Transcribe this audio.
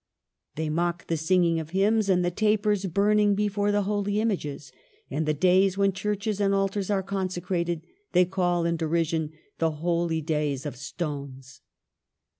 They mock the singing of hymns and the tapers burning before the holy images ; and the days when churches and altars are consecrated they call, in derision, ' the Holy Days of Stones.'